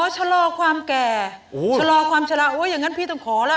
ชะลอความแก่ชะลอความชะลาโอ้อย่างนั้นพี่ต้องขอแล้ว